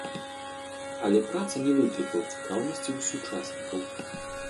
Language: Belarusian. Але праца не выклікала цікаўнасці ў сучаснікаў.